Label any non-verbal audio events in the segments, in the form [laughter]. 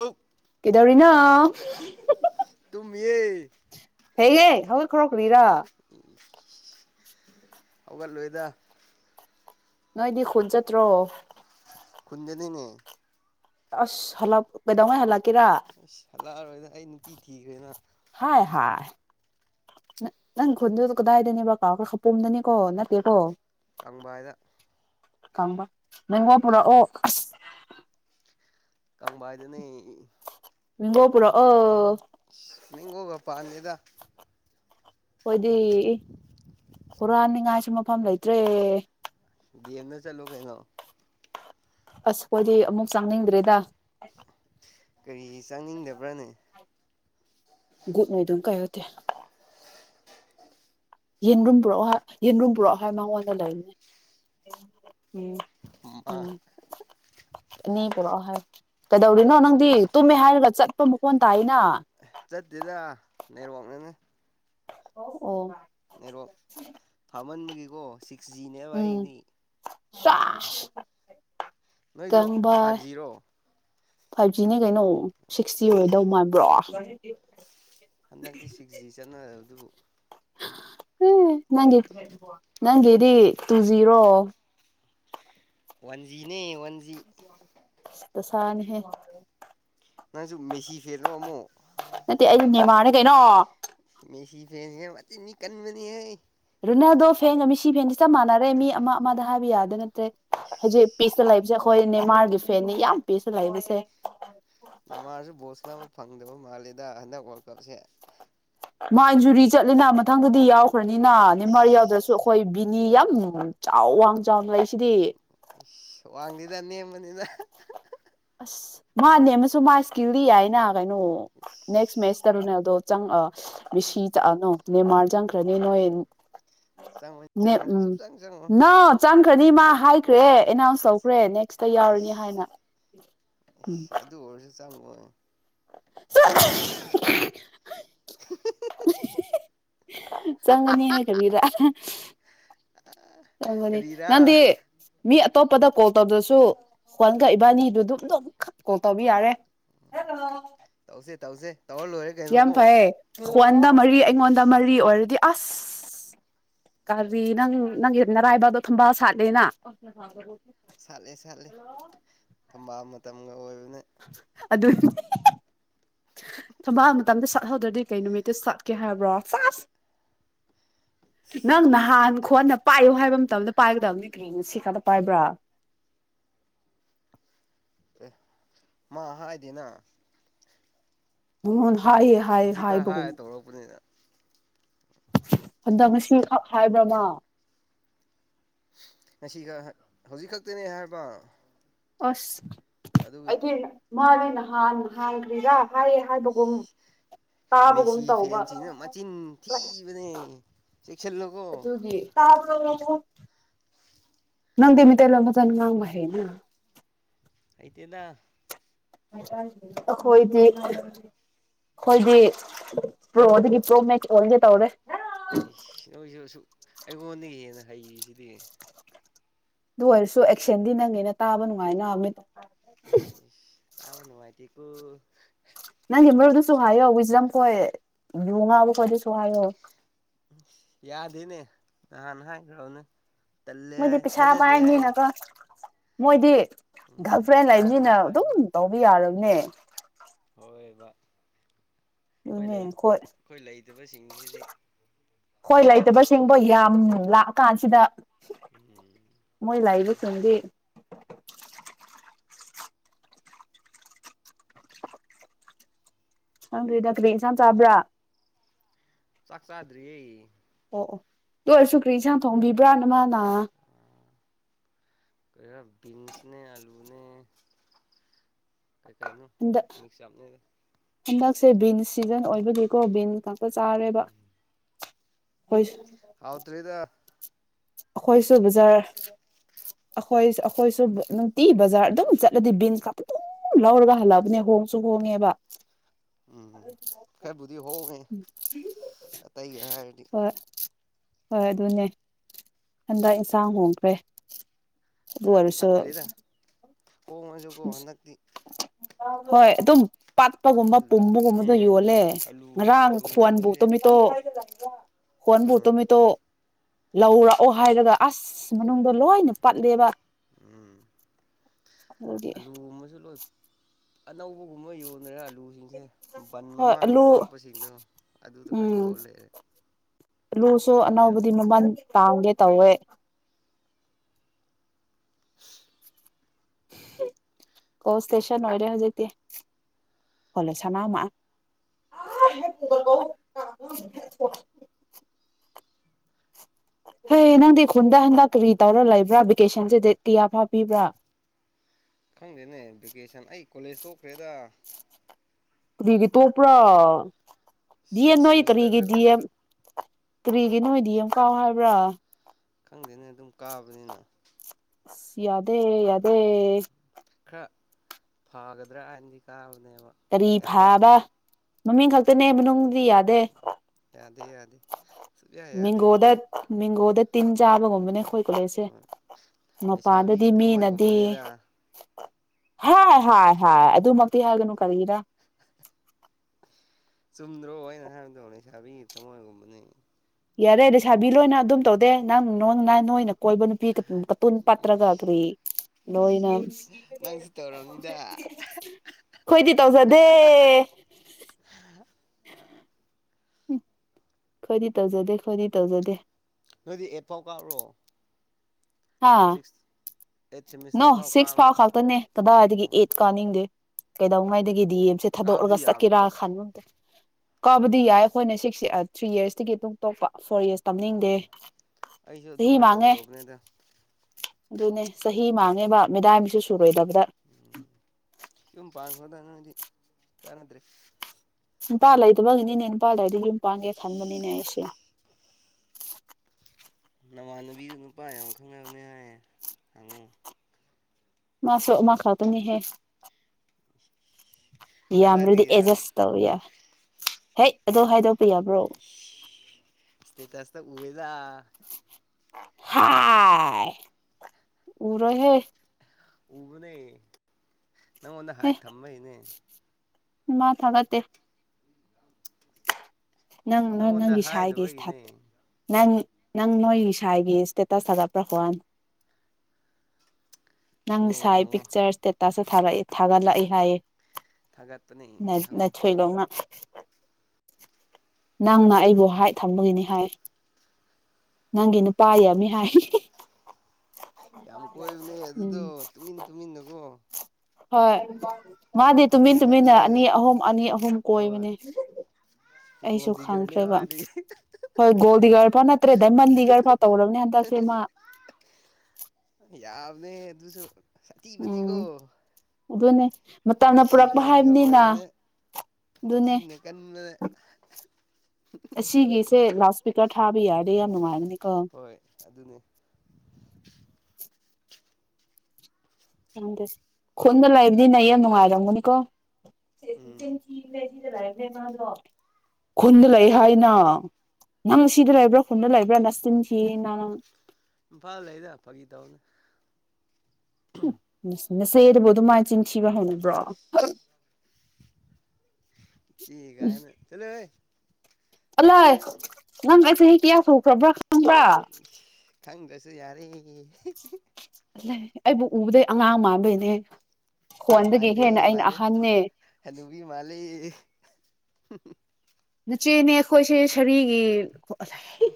ꯑꯧ ꯀꯩꯗꯧꯔꯤꯅꯣ ꯂꯤꯌꯦ ꯂꯩꯌꯦ ꯊꯧꯒꯠꯈꯔꯣ ꯀꯔꯤꯔꯥ ꯍꯧꯒꯠꯂꯣꯏꯗ ꯅꯣꯏꯗꯤ ꯈꯨꯟ ꯆꯠꯇ꯭ꯔꯣ ꯈꯨꯨꯟꯗꯅꯤꯅꯦ ꯑꯁ ꯍꯜꯂꯛ ꯄꯗ ꯃꯣꯏ ꯍꯂꯛ ꯑꯁ ꯍꯜꯂꯛꯑꯔꯣꯏꯅ ꯑꯩ ꯅꯨꯄꯤ ꯊꯤꯈ꯭ꯔꯦꯅ ꯍꯥꯏ ꯑꯗꯨꯒꯤ ꯍꯥꯏ ꯅꯪ ꯈꯨꯟꯗꯨꯗ ꯀꯗꯥꯏꯗꯅꯦꯕ ꯀꯥꯎ ꯈꯄꯨꯝ ꯆꯦꯂꯂꯝꯗꯅꯤꯀꯣ ꯅꯠꯇꯦꯀꯣ ꯀꯪꯕꯥꯏꯗ ꯀꯪꯕ ꯅꯪꯉꯣ ꯄꯨꯔꯛ ꯑꯣ ꯑꯁ ꯀꯪꯕꯥꯏꯗꯅꯦ ꯃꯦꯡꯒꯣ ꯄꯨꯔꯛ ꯑꯣ ꯃꯦꯡꯒꯣꯒꯥ ꯄꯥꯟꯗꯦꯗ ꯑꯣꯏꯗꯤ ꯍꯨꯔꯥꯟꯅꯤꯉꯥꯏꯁꯨ ꯃꯐꯝ ꯂꯩꯇ꯭ꯔꯦ ꯗꯤꯦꯝ ꯅ ꯆꯂꯨ ꯀꯩꯅꯅ ꯑꯁꯄꯗꯤ ꯑꯃꯨꯛ ꯆꯃꯤꯗ꯭ꯔꯦꯗ ꯀꯔꯤ ꯆꯪꯅꯤꯡꯗꯕ꯭ꯔꯅꯦ ꯒꯨꯠꯅ ꯑꯗꯨꯝ ꯀꯥꯏꯔꯗꯦ ꯌꯦꯟꯗ꯭ꯔꯨꯝ ꯄꯨꯔꯛꯑꯣ ꯍꯥꯏ ꯌꯦꯟꯗ꯭ꯔꯨꯝ ꯄꯨꯔꯛꯑꯣ ꯍꯥꯏ ꯃꯉꯣꯟꯗ ꯂꯩꯔꯤꯅꯤ ꯎꯝ ꯃꯥ ꯎꯝ ꯑꯅꯤ ꯄꯨꯔꯛꯑꯣ ꯍꯥꯏ ꯀꯩꯗꯧꯔꯤꯅꯣ ꯅꯪꯗꯤ ꯇꯨꯝꯃꯦ ꯍꯥꯏꯔꯒ ꯆꯠꯄ ꯃꯀꯣꯟ ꯇꯥꯏꯅ ꯆꯠꯇꯗ ꯂꯩꯔ ꯋꯥꯛꯅꯅꯦ ꯑꯣ ꯑꯣ ꯔꯣꯛ ꯐꯥꯃꯟꯕꯒꯤ ꯣ ꯁꯤ ꯁꯤꯖꯤꯅꯦꯕ ꯏꯗꯤ ꯁꯥ ꯅꯣꯏꯗꯨ ꯐꯥꯏꯚ ꯖꯤꯔꯣ ꯐꯥꯏꯚ ꯖꯤꯅꯦ ꯀꯩꯅꯣ ꯁꯤꯛꯁꯇꯤ ꯑꯣꯏꯗꯧ ꯃꯥ [unintelligible] ꯍꯟꯗꯛꯇꯤ ꯁꯤꯛꯁ ꯖꯤ ꯆꯠꯅ ꯑꯗꯨꯕꯨ ꯎ ꯅꯪ ꯅꯪꯒꯤꯦꯗꯤ ꯇꯨꯖꯔꯣ ꯋꯥꯟ ꯖꯤ ꯅꯤ ꯋꯥꯟꯖꯤ ꯁꯅ ꯍꯦ ꯅꯪꯁꯨ ꯃꯦꯁꯤ ꯐꯦꯅꯣ ꯑꯃꯨꯛ ꯗꯤ ꯑꯩ ꯅꯦꯃꯥꯅꯦ ꯀꯩꯅꯣ ꯃꯦꯁꯤ ꯄ ꯏꯅꯤ ꯀꯟꯃꯅꯤ ꯍꯥꯏ ꯔꯨꯅꯥꯗꯣ ꯐꯦꯟꯒ ꯃꯤ ꯁꯤ ꯐꯦꯟꯁꯦ ꯆꯞ ꯃꯥꯟꯅꯔꯦ ꯃꯤ ꯑꯃ ꯑꯃꯗ ꯍꯥꯏꯕ ꯌꯥꯗꯅ ꯏꯁ ꯦ ꯄꯤꯤꯁ ꯐꯨ ꯂꯥꯏꯐ ꯦ ꯑꯩꯈꯣꯏ ꯅꯦꯃꯥꯔꯒꯤ ꯐꯦꯟꯅꯤ ꯌꯥꯝ ꯄꯦꯁꯤꯂꯕꯁꯦ ꯏꯃꯥꯅꯁꯨ ꯕꯣꯁꯅꯕ ꯐꯪꯗꯕ ꯃꯥꯜꯂꯦꯗ ꯍꯟꯗꯛ ꯋꯥꯔꯜ ꯀꯞꯁꯦ ꯃꯥꯟ ꯖꯨꯔꯤ ꯆꯠꯂꯤꯅ ꯃꯊꯪꯗꯗꯤ ꯌꯥꯎ ꯈꯅꯤꯅ ꯅꯤꯃꯥꯔꯤ ꯌꯥꯎꯗ꯭ꯔꯁꯨ ꯑꯩꯈꯣꯏꯕꯤ ꯌꯥꯝ ꯆꯥꯎ ꯋꯥꯡ ꯆꯥꯎꯅ ꯂꯩꯁꯤꯗꯤ ꯋꯥ ꯉꯤꯗ ꯅꯦꯝꯃꯅꯤꯗ ꯑ ꯃꯥꯅꯦ ꯑꯃꯁꯨ ꯃꯥꯁ ꯀ꯭ꯌꯎꯔꯤ ꯍꯥꯏꯅ ꯀꯥꯏꯩꯅꯅ ꯅꯦꯛꯁ ꯃꯦꯁ ꯆ ꯇꯔꯨꯅꯦ ꯑꯗꯣ ꯆꯪ ꯕꯤꯁꯤ ꯆꯛꯑꯅꯣ ꯃꯦꯟꯃꯥꯔ ꯆꯪꯈ꯭ꯔꯅꯤ ꯅꯣꯏ ꯆꯪ ꯆꯪꯉ ꯁꯨꯨꯞ ꯆꯡ ꯆꯡꯉꯣꯏ꯫ ꯀꯅꯤꯃ ꯍꯥꯏ꯫ ꯆꯈ꯭ꯔꯦ ꯑꯦꯅꯥꯎꯟꯁ ꯇꯧꯈ꯭ꯔꯦ ꯅꯦꯛꯁꯇ ꯌꯥꯎꯔꯅꯤ ꯍꯥꯏꯅ꯫ ꯑꯗꯨ ꯑꯗꯨ ꯑꯣꯏꯔꯁꯨ꯫ ꯆꯪ ꯑꯣꯏ꯫ ꯆ꯫ ꯫ ꯆꯪꯒꯅꯤꯅ ꯈꯜꯂꯤꯔ꯫ ꯀꯔꯤꯔꯥ ꯅꯪꯗꯤ ꯃꯤ꯫ ꯑꯇꯣꯞꯄꯗ ꯀꯣꯜ ꯇꯧꯗ꯭ꯔꯁꯨ ꯋꯥꯟꯒ ꯏꯕꯥꯅꯤꯗꯨ ꯑꯗꯨꯝꯗꯣ ꯑꯃꯨꯛꯈ ꯀꯣꯜ ꯇꯧꯕꯤ ꯌꯥꯔꯦ꯫ ꯇꯧꯁꯦ ꯇꯧꯁꯦ꯫ ꯇꯧꯔ ꯂꯣꯏꯔꯦ ꯌꯥꯝ ꯀꯩꯅꯣꯀꯣ ꯐꯩꯌꯦ ꯍꯣꯟꯗ ꯃꯔꯤ ꯑꯩꯉꯣꯟꯗ ꯃꯔꯤ ꯑꯣꯏꯔꯗꯤ꯫ ꯑꯁ ꯀꯔꯤ ꯅꯪ ꯅꯪꯒꯤ ꯅꯔꯥꯏꯕꯗꯣ ꯊꯝꯕꯥꯜ ꯁꯥꯠꯂꯦꯅ꯫ ꯁꯥꯠꯂꯦ ꯁꯥꯠꯂꯦ꯫ ꯊꯝꯕꯥ ꯃꯇꯝꯒ ꯑꯣꯏ꯫ ꯫ ꯑꯗꯨꯅꯤ꯫ ꯊꯝꯕꯥꯜ ꯃꯇꯝ꯫ ꯑꯗꯨꯗ꯭ꯔꯗꯤ ꯀꯩ ꯅꯨꯃꯤꯠꯇꯨ ꯁꯠꯀꯦ ꯍꯥꯏꯔꯕ꯭ꯔꯣ ꯁꯥꯁ꯫ ꯅꯪ ꯅꯍꯥꯟ꯫ ꯈꯣꯟꯅ ꯄꯥꯏꯌꯣ ꯍꯥꯏꯕ ꯃꯇꯝꯗ ꯄꯥꯏꯒꯗꯕꯅꯤ ꯀꯔꯤ ꯉꯁꯤ ꯈꯛꯇ ꯄꯥꯏꯕ꯭ꯔꯥ꯫ ꯑꯦ ꯃꯥ ꯍꯥꯏꯗꯤꯅ꯫ ꯍ꯫ ꯍꯥꯏꯑꯌꯦ ꯍꯥꯏ ꯍꯧꯖꯤꯛꯀ ꯍꯥꯏꯒꯨꯝ꯫ ꯍꯥꯏꯔ ꯇꯧꯔꯛꯄꯅꯤꯅ ꯍꯟꯗꯛꯁꯨ ꯈꯞ ꯍꯥꯏꯕ꯭ꯔꯃ꯫ ꯉꯁꯤ ꯈ ꯍꯧꯖꯤꯛ ꯈꯛꯇꯅꯦ ꯍꯥꯏꯔꯕ꯫ ꯑꯁ꯫ ꯑꯗꯨꯗꯅ ꯃꯥꯅꯗꯤ ꯅꯍꯥꯟ꯫ ꯍꯜꯗꯔ꯫ ꯍꯥꯏꯌꯦ ꯍꯥꯏꯕꯒꯨꯝ ꯇꯥꯕꯒꯨꯝ ꯃꯦꯁꯤ ꯇꯧꯕ ꯐꯦꯟꯁꯤꯅ ꯃꯆꯤꯟ ꯊꯤꯕꯅꯦ ꯆꯦꯛꯁꯤꯜꯂꯨꯀꯣ ꯑꯗꯨꯗꯤ꯫ ꯫ ꯅꯪꯗꯤ ꯃꯤꯇꯩ ꯂꯣꯜ ꯐꯖꯅꯥ ꯉꯥꯡꯕ ꯍꯩꯌꯦ꯫ ꯑꯇꯩꯅꯥ꫰ ꯑꯩꯈꯣꯏꯗꯤ ꯑꯩꯈꯣꯏꯗꯤ ꯄ꯭ꯔꯣꯗꯒꯤ ꯄ꯭ꯔꯣ ꯃꯦꯛꯁ ꯑꯣꯏꯒꯦ ꯇꯧꯔꯦ꯫ ꯏ ꯌꯁꯨ꯫ ꯑꯩꯉꯣꯟꯗꯒꯤ ꯍꯦꯟꯅ ꯍꯩꯁꯤꯗꯤ꯫ ꯑꯗꯨ ꯑꯣꯏꯔꯁꯨ ꯑꯦꯛꯁꯟꯗꯤ ꯅꯪꯒꯤꯅ ꯇꯥꯕ ꯅꯨꯡꯉꯥꯏꯅ ꯃꯤ [unintelligible] ꯏꯁ ꯇꯥꯕ ꯅꯨꯡꯉꯥꯏꯇꯦ ꯀꯣ ꯅꯪꯒꯤ ꯃꯔꯨꯞꯗꯨꯁꯨ ꯍꯥꯏꯌꯣ ꯋꯤꯖꯝꯈꯣꯏ ꯌꯨ ꯉꯥꯎꯕ ꯈꯣꯏꯗꯨꯁꯨ ꯍꯥꯏꯌꯣ ꯌꯥꯗꯦꯅꯦ ꯅꯍꯥꯟ ꯍꯥꯏꯒ꯭ꯔꯕꯅꯦ ꯃꯣꯏꯗꯤ ꯄꯩꯁꯥ ꯄꯥꯏꯅꯤꯅꯀꯣ ꯃꯣꯏꯗꯤ ꯎꯝ ꯒꯜꯐ꯭ꯔꯦꯟ ꯄꯥꯏꯕꯅꯦ ꯂꯩꯅꯤꯅ ꯑꯗꯨꯝ ꯇꯧꯕꯤ ꯌꯥꯔꯝ ꯅꯦ ꯍꯣꯏꯑꯕ ꯑꯈꯣꯏ ꯂꯩ ꯑꯩ ꯈꯣꯏ ꯂꯩꯇꯕꯁꯤꯡꯁꯤꯗꯤ ꯍꯣꯏ ꯂꯩꯇꯕꯁꯤꯡꯕꯣ ꯌꯥꯝ ꯂꯥꯛꯑꯀꯥꯟꯁꯤꯗ ꯎꯝ ꯃꯣꯏ ꯑꯗꯨꯅꯦ ꯂꯥꯏꯕꯁꯤꯡꯗꯤ ꯍꯪꯗꯦꯗ ꯀꯔꯤ ꯏꯟꯁꯥꯥꯡ ꯆꯥꯕ꯭ꯔꯥ ꯆꯥꯛ ꯆꯗ꯭ꯔꯤꯌꯦ ꯑꯣ ꯑꯣ ꯂꯣꯏ ꯁꯨꯀ꯭ꯔꯤ ꯏꯟꯁꯥꯡ ꯊꯣꯡꯕꯤꯕ꯭ꯔꯥ ꯅꯃꯥꯅ ꯀꯩꯅꯣ ꯕꯤꯟꯁꯅꯦ ꯑꯂꯨꯅꯦ ꯀꯩꯀꯩꯅꯣ ꯍꯟꯗꯛ ꯃꯤꯛꯁ [unintelligible] ꯍꯟꯗꯛꯁꯦ ꯕꯤꯟꯁ ꯁꯤꯖꯟ ꯑꯣꯏꯕꯨꯗꯤꯀꯣ ꯕꯤꯟꯁ ꯉꯥꯛꯇ ꯆꯥꯔꯦꯕ꯫ ꯑꯩꯈꯣꯏ ꯍꯥꯎꯇ꯭ꯔꯤꯗ꯫ ꯑꯩꯈꯣꯏꯁꯨ ꯕꯖꯥꯔ ꯑꯈꯣꯏ ꯑꯩꯈꯣꯏꯁꯨ ꯅꯨꯡꯇꯤ ꯕꯖꯥꯔ ꯑꯗꯨꯝ ꯆꯠꯂꯗꯤ ꯕꯤꯟꯁ ꯀꯥ ꯑꯗꯨꯝ ꯂꯧꯔꯒ ꯍꯜꯂꯛꯄꯅꯦ ꯍꯣꯡꯁꯨ ꯍꯣꯡꯉꯦꯕ ꯎꯝ ꯈꯔꯕꯨꯗꯤ ꯍꯣꯡꯉꯦ ꯑꯇꯩꯒ ꯍꯥꯏꯔꯗꯤ ꯍꯣꯏ꯫ ꯍꯣꯏ ꯑꯗꯨꯅꯦ꯫ ꯍꯟꯗꯛ ꯏꯟꯁꯥꯡ ꯍꯣꯡꯈ꯭ꯔꯦ꯫ ꯑꯗꯨ ꯑꯣꯏꯔꯁꯨ ꯐꯠꯇ꯭ꯔꯦꯗ ꯍꯣꯡꯉꯁꯨꯀꯣ ꯍꯟꯗꯛꯇꯤ ꯍꯣꯏ ꯑꯗꯨꯝ ꯄꯥꯠꯄꯒꯨꯝꯕ ꯑꯂꯨ ꯄꯨꯝꯕꯒꯨꯝꯕꯗꯣ ꯎꯝ ꯌꯣꯜꯂꯦ ꯑꯂꯨ ꯉꯔꯥꯡ ꯈꯣꯟꯕꯨ ꯑꯂꯨꯒꯨꯝꯕꯁꯦ ꯇꯣꯃꯦꯇꯣ [unintelligible] [unintelligible] ꯎꯝ ꯇꯣꯃꯦꯇꯣ ꯂꯧꯔꯛꯑꯣ ꯍꯥꯏꯔꯒ ꯑꯁ ꯃꯅꯨꯡꯗꯣ ꯂꯣꯏꯅ ꯄꯠꯂꯦꯕ꯫ ꯑꯗꯨꯒꯤ ꯑꯂꯨ ꯑꯃꯁꯨ ꯂꯣꯏ ꯑꯅꯧꯕꯒꯨꯝꯕ ꯌꯣꯟꯅꯔ ꯍꯣꯏ ꯑꯂꯨ ꯄꯨꯔꯛꯄꯁꯤꯡꯗꯣ ꯑꯗꯨꯗ ꯈꯛ ꯎꯝ ꯌꯣꯜ ꯂꯩꯔꯦ ꯂꯣꯏ ꯑꯂꯨꯁꯨ ꯄꯨꯝꯃꯦꯕ ꯑꯅꯧꯕꯗꯤ ꯃꯃꯟ ꯇꯥꯡꯒꯦ ꯇꯧꯋꯦ꯫ [unintelligible] ꯀꫭꯜ ꯏꯁꯇꯦꯁꯟ ꯑꯣꯏꯔꯦ ꯍꯧꯖꯤꯛꯇꯤ ꯍꯣꯂꯣ ꯁꯅꯥꯃ ꯍꯣꯏ ꯅꯪꯗꯤ ꯈꯨꯟꯗ ꯍꯟꯗꯛ ꯀꯔꯤ ꯇꯧꯔ ꯂꯩꯕ꯭ꯔꯥ ꯚꯦꯀꯦꯁꯟꯁꯦ ꯗꯦꯠ ꯀꯌꯥꯐꯧ ꯄꯤꯕ꯭ꯔꯥ꯫ ꯈꯪꯗꯦꯅꯦ ꯚꯦꯀꯦꯁꯟ ꯑꯩ ꯀꯣꯂꯦꯖ ꯇꯣꯛꯈ꯭ꯔꯦꯗ꯫ ꯀꯔꯤꯒꯤ ꯇꯣꯛꯄ꯭ꯔꫭ꯫ ꯗꯤ ꯑꯦꯝ ꯁꯤꯛꯁ ꯅꯣꯏ ꯀꯔꯤꯒꯦ ꯁꯦꯃꯤꯁꯇꯔꯗ ꯗꯤ ꯑꯦꯝ ꯀꯔꯤꯒꯤ ꯅꯣꯏ ꯗꯤ ꯑꯦꯝ ꯀꯥꯎ ꯍꯥꯏꯕ꯭ꯔꫭ꯫ ꯈꯪꯗꯦꯅꯦ ꯑꯗꯨꯝ ꯀꯥꯕꯅꯤꯅ ꯑꯁ ꯌꯥꯗꯦ-ꯌꯥꯗꯦ꯫ ꯈꯔ ꯐꯥꯒꯗ꯭ꯔꯥ ꯍꯥꯏꯅꯗꯤ ꯀꯥꯕꯅꯤ꯫ ꯀꯔꯤ ꯐꯥꯕ ꯃꯃꯤꯡ ꯈꯛꯇꯅꯦ ꯃꯅꯨꯡꯗꯗꯤ ꯌꯥꯗꯦ꯫ ꯌꯥꯗꯦ-ꯌꯥꯗꯦ꯫ ꯃꯤꯡꯒꯣꯗ ꯃꯤꯡꯉꯣꯗꯥ ꯇꯤꯟ ꯎꯝ ꯆꯥꯕꯒꯨꯝꯕꯅꯦ ꯑꯩꯈꯣꯏ ꯀꯣꯂꯦꯖꯁꯦ ꯍꯣꯏ ꯃꯄꯥꯟꯗꯗꯤ ꯂꯩꯁꯥꯕꯤꯒꯤ ꯃꯤꯅꯗꯤ ꯊꯃꯣꯏꯒꯨꯝꯕꯅꯤꯗ ꯍꯥꯏ ꯍꯥꯏ ꯍꯥꯏ ꯑꯗꯨꯃꯛꯇꯤ ꯍꯥꯏꯒꯅꯨ ꯀꯔꯤꯒꯤꯔꯥ ꯆꯨꯝꯗ꯭ꯔꯣ ꯑꯩꯅꯥ ꯍꯥꯏꯅ ꯍꯥꯏꯕꯗꯣ ꯂꯩꯁꯥꯕꯤ ꯊꯃꯣꯏꯒꯨꯝꯕꯅꯤ ꯌꯥꯔꯦ ꯂꯩꯁꯥꯕꯤ ꯂꯣꯏꯅ ꯑꯗꯨꯝ ꯇꯧꯗꯦ ꯅꯪ ꯅꯪ ꯅꯥꯟ ꯅꯣꯏꯅ ꯀꯣꯏꯕ ꯅꯨꯄꯤ ꯀꯇꯟ ꯄꯥꯠꯇ꯭ꯔꯒ ꯀꯔꯤ ꯂꯣꯏꯅ ꯅꯪꯁꯨ ꯇꯧꯔꯝꯅꯤꯗ ꯑꯩꯈꯣꯏꯗꯤ ꯇꯧꯖꯗꯦ ꯎꯝ ꯈꯣꯏꯗꯤ ꯇꯧꯖꯗꯦ ꯈꯣꯏꯗꯤ ꯇꯧꯖꯗꯦ ꯅꯣꯏꯗꯤ ꯑꯦꯠ ꯐꯥꯎ ꯀꯥꯔꯣ ꯍꯥꯥ ꯑꯩꯠ ꯅꯣ ꯁꯦꯃꯤꯁꯇꯔ ꯁꯤꯛꯁ ꯐꯥꯎ ꯀꯥꯕ꯭ꯔꯣ ꯈꯥꯛꯇꯅꯦ ꯀꯗꯥꯏꯋꯥꯏꯗꯒꯤ ꯑꯣ ꯑꯦꯠ ꯀꯥꯅꯤꯡꯗꯦ ꯑꯣ ꯀꯩꯗꯧꯉꯥꯏꯗꯒꯤ ꯗꯤ ꯑꯦꯝꯁꯦ ꯊꯥꯗꯣꯛꯔꯒ ꯀꯥꯕꯗꯤ ꯆꯠꯀꯦꯔꯥ ꯌꯥꯕ꯭ꯔꯣ ꯈꯟꯕꯗꯥ ꯀꯥꯕꯗꯤ ꯌꯥꯏ ꯑꯩꯈꯣꯏꯅ ꯁꯤꯛꯁ ꯊ꯭ꯔꯤ ꯏꯔꯁꯇꯒꯤ ꯑꯗꯨ ꯇꯣꯛꯄ ꯐꯣꯔ ꯌꯁ ꯑꯣ ꯇꯝꯅꯤꯡꯗꯦ ꯑꯣ ꯑꯩꯁꯨ ꯆꯍꯤ ꯑꯗꯨꯃꯥꯏꯅ ꯃꯥꯡꯉꯦ ꯇꯧꯔꯕꯅꯦꯗ ꯑꯗꯨꯅꯦ ꯆꯍꯤ ꯃꯥꯡꯉꯦꯕ ꯃꯤꯗꯥꯏꯝꯁꯨ ꯁꯨꯔ ꯑꯣꯏꯗꯦ [unintelligible] ꯥꯄꯥꯟꯈꯣꯗꯥ ꯅꯪꯗꯤ ꯀꯅꯥꯗ꯭ꯔꯦ ꯅꯨꯄꯥ ꯂꯩꯇꯕꯒꯅꯤꯅꯦ ꯅꯨꯄꯥ ꯂꯩꯔꯗꯤ ꯌꯨꯝ ꯄꯥꯡꯒꯦ ꯈꯟꯕꯅꯤꯅꯦ ꯑꯩꯁꯦ ꯅꯃꯥꯟꯅꯕꯤꯗꯨ ꯅꯨꯄꯥ ꯌꯥꯝ ꯈꯪꯅꯕꯅꯦ ꯍꯥꯏꯌꯦ ꯍꯪꯉꯨ ꯃꯥꯁꯨ ꯑꯃ ꯈꯛꯇꯃꯤꯍꯦ ꯌꯥ ꯑꯔꯗꯤ ꯀꯗꯥꯏꯗꯒꯤꯔ ꯑꯦꯖꯁ ꯇꯧ ꯌꯥ ꯍꯦꯛ ꯑꯗꯣ ꯍꯥꯏꯗꯣꯛ ꯏꯁꯁ ꯁꯇꯦꯇꯁ ꯇ ꯎꯏꯌꯦ ꯗ ꯍꯥꯏ ꯎꯔꯣ ꯍꯦ ꯎꯕꯅꯦ ꯅꯪꯉꯣꯟꯗ ꯍꯦ ꯍꯥꯏꯠ ꯊꯝꯕꯩꯅꯦ ꯃꯥ ꯊꯥꯒꯠꯇꯦ ꯅꯪ ꯅꯪ ꯅꯪꯉꯣꯟꯗ ꯅꯪꯒꯤ ꯁꯥꯏꯒꯤ ꯍꯥꯏꯗꯕꯒꯤꯅꯦ [unintelligible] ꯅꯪ ꯅꯪ ꯅꯣꯏꯒꯤ ꯁꯥꯏꯒꯤ ꯏꯁꯇꯦꯇꯁ ꯊꯥꯒꯠꯄ꯭ꯔꯥ ꯍꯋꯥꯅꯤ ꯅꯪ ꯍꯪꯉꯣ ꯁꯥꯏ ꯍꯪꯉꯣ ꯄꯤꯛꯆꯔ ꯁꯇꯇꯨꯁ ꯊꯥꯔꯛꯑꯦ ꯊꯥꯒꯠꯂꯛꯏ ꯍꯥꯏꯌꯦ ꯊꯥꯒꯠꯄꯅꯦ ꯅ ꯍꯪꯉꯣ ꯅꯊꯣꯏꯂꯣꯏꯅ ꯅꯪꯅ ꯑꯩꯕꯨ ꯍꯥꯏꯠ ꯊꯝꯕꯒꯤꯅꯤ ꯍꯥꯏ ꯅꯪꯒꯤ ꯅꯨꯄꯥ ꯌꯥꯝꯃꯤ ꯍꯥꯏ ꯌꯥꯝ ꯀꯣꯏꯕꯅꯦ ꯑꯗꯨ ꯗꯣ ꯎꯝ ꯇꯨꯃꯤꯟ ꯇꯨꯃꯤꯟꯅꯀꯣ ꯑꯣ ꯍꯣꯏ ꯃꯥꯗꯤ ꯇꯨꯃꯤꯟ ꯅꯠꯇꯦ ꯇꯨꯃꯤꯟꯅ ꯑꯅꯤ ꯑꯍꯨꯝ ꯑꯅꯤ ꯑꯍꯨꯝ ꯍꯣꯏ ꯀꯣꯏꯕꯅꯦ ꯑꯩꯁꯨ ꯒꯣꯜ ꯗꯤꯒꯔꯅꯦ ꯈꯪꯈ꯭ꯔꯦꯕ ꯃꯥꯗꯤ ꯍꯣꯏ ꯒꯣꯜ ꯗꯤꯒꯔ ꯐꯥꯎ ꯅꯠꯇ꯭ꯔꯦ ꯗꯥꯏꯃꯟ ꯗꯤꯒꯔ ꯐꯥꯎ ꯇꯧꯔꯕꯅꯦ ꯍꯟꯗꯛꯁꯦ ꯃꯥ ꯌꯥꯕꯅꯦ ꯑꯗꯨꯁꯨ ꯁꯥꯊꯤꯕꯗꯤꯀꯣ ꯗꯨꯅꯦ ꯃꯇꯝꯅ ꯃꯦꯁꯤ ꯄꯨꯔꯛꯄ ꯐꯦꯟꯒ ꯍꯥꯏꯕꯅꯤꯅ ꯑꯣꯏꯕꯅꯦ ꯑꯗꯨꯅꯦ ꯃꯆꯤꯟꯅ ꯀꯟꯕꯅꯦ ꯑꯁꯤꯒꯤꯁꯦ ꯂꯥꯎꯠ ꯏꯁꯄꯤꯀꯔ ꯊꯥꯕ ꯌꯥꯔꯗꯤ ꯌꯥꯝ ꯅꯨꯡꯉꯥꯏꯒꯅꯤꯀꯣ ꯍꯣꯏ ꯑꯗꯨꯅꯦ [unintelligible] ꯈꯨꯟꯗ ꯂꯥꯏꯕꯗꯤ ꯅ ꯌꯥꯝ ꯅꯨꯡꯉꯥꯏꯔꯝꯒꯅꯤꯀꯣ ꯎꯝ [unintelligible] ꯈꯨꯟꯗ ꯂꯥꯏꯕꯅꯦ ꯃꯗꯣ ꯈꯨꯟꯗ ꯂꯩ ꯍꯥꯏꯅ ꯅꯪ ꯁꯤꯗ ꯂꯩꯕ꯭ꯔꯥ ꯈꯨꯟꯗ ꯂꯩꯕ꯭ꯔꯥ ꯅꯆꯤꯟ ꯊꯤꯌꯦꯅ ꯅꯪ ꯏꯝꯐꯥꯜ ꯂꯩꯗ ꯐꯥꯒꯤ ꯇꯧꯕꯅꯦ ꯎ ꯅ ꯅꯆꯦꯗꯕꯨ ꯑꯗꯨꯃꯥꯏ ꯆꯤꯟ ꯊꯤꯕꯥ ꯍꯧꯅꯕ꯭ꯔꯣ ꯊꯤ ꯀꯥꯏꯅ ꯆꯠꯂꯣꯍꯦ ꯑꯂꯥꯏ ꯅꯪ ꯑꯩ ꯆꯍꯤ ꯀꯌꯥ ꯊꯣꯛꯈ꯭ꯔꯕ꯭ꯔꯥ ꯇꯨꯝꯕ ꯈꯪꯗꯔꯁꯨ ꯌꯥꯔꯦ ꯂꯩ ꯑꯩꯕꯨ ꯎꯕꯗꯩ ꯑꯉꯥꯡ ꯃꯥꯟꯕꯩꯅꯦ ꯈꯣꯟꯗꯒꯤ ꯍꯦꯟꯅ ꯃꯥꯟꯗꯦꯍꯦ ꯑꯩꯅ ꯃꯥꯥꯟꯂꯦ ꯑꯍꯟꯅꯦ ꯍꯅꯨꯕꯤ ꯃꯥꯜꯂꯦ [unintelligible] ꯅꯆꯦꯅꯦ ꯑꯩꯈꯣꯏꯁꯦ ꯁꯔꯤꯒꯤ ꯎꯝ꯫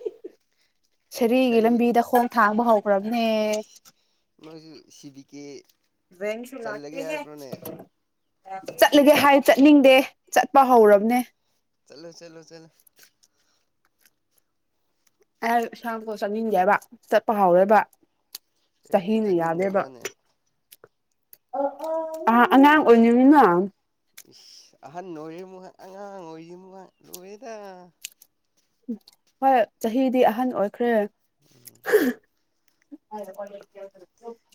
ꯁꯔꯤꯒꯤ ꯂꯝꯕꯤꯗ ꯈꯣꯡ ꯊꯥꯡꯕ ꯍꯧꯈ꯭ꯔꯕꯅꯦ꯫ ꯑꯁ ꯅꯣꯏꯁꯨ ꯁꯤ ꯕꯤ ꯀꯦ ꯕꯦꯡꯁꯨ ꯂꯥꯛꯇꯦ ꯆꯜꯂꯒꯦ ꯍꯦ ꯍꯥꯏꯕ꯭ꯔꯣꯅꯦ ꯆꯠꯂꯒꯦ ꯍꯥꯏ ꯆꯠꯅꯤꯡꯗꯦ꯫ ꯆꯠꯄ ꯍꯧꯔꯕꯅꯦ ꯆꯂꯣ ꯆꯂꯣ ꯆꯂꯣ꯫ ꯑꯩ ꯏꯟꯁꯥꯡꯗꯣ ꯆꯥꯅꯤꯡꯟꯗꯦꯕ ꯆꯠꯄ ꯍꯥꯎꯝ‌‌ ꯋꯦꯕ꯫ ꯀꯩꯒꯤ ꯆꯍꯤꯅ ꯌꯥꯗꯦꯕ ꯆꯠꯅꯤꯡꯗꯕ꯭ꯔꯥꯅꯦ ꯑ ꯑꯉꯥꯡ ꯑꯣꯏꯅꯤꯡꯉꯤꯅ ꯏꯁ ꯑꯍꯟ ꯑꯣꯏꯔꯤꯃꯨꯛ ꯍꯥꯏ ꯑꯉꯥꯡ ꯑꯣꯏꯔꯤꯃꯨꯛ ꯍꯥꯏ ꯂꯨꯔꯦꯗꯥ ꯍꯣꯏ ꯆꯍꯤꯗꯤ ꯑꯍꯟ ꯑꯣꯏꯈ꯭ꯔꯦ꯫ [unintelligible] [unintelligible]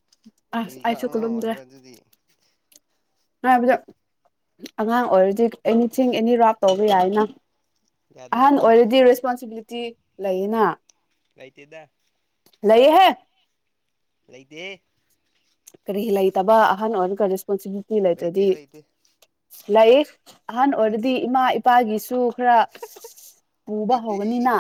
ꯑꯁ ꯀꯔꯤꯒ ꯑꯩꯁꯨ ꯑꯉꯥꯡ ꯈꯨꯂꯨꯝꯗ꯭ꯔꯦ ꯑꯣꯏꯕ꯭ꯔꯥ ꯑꯗꯨꯗꯤ꯫ ꯍꯥꯏꯕꯗ ꯑꯉꯥꯡ ꯑꯣꯏꯔꯗꯤ ꯑꯦꯅꯤꯊꯤꯡ ꯑꯦꯅꯤ ꯔꯥꯞ ꯇꯧꯕ ꯌꯥꯏꯅ꯫ ꯌꯥꯗꯦ ꯑꯍꯥꯟ ꯑꯣꯏꯔꯗꯤ ꯔꯁꯄꯣꯟꯁꯤꯕꯤꯂꯤꯇꯤ ꯂꯩꯌꯦꯅ꯫ ꯂꯩꯇꯦꯗ꯫ ꯂꯩ ꯍꯦ꯫ ꯂꯩꯇꯦꯍꯦ ꯀꯔꯤꯒꯤ ꯂꯩꯇꯕꯥ ꯑꯍꯟ ꯑꯣꯏꯔꯒ ꯔꯦ [unintelligible] ꯂꯩꯇꯦ ꯂꯩꯇ꯭ꯔꯗꯤ꯫ ꯂꯩꯇꯦ ꯂꯩ꯫ ꯑꯍꯥꯟ ꯑꯣꯏꯔꯗꯤ ꯂꯩꯇꯦ ꯏꯃꯥ ꯏꯄꯥꯒꯤꯁꯨ ꯈꯔ ꯄꯨꯕ ꯂꯩꯇꯦ ꯍꯧꯒꯅꯤꯅ꯫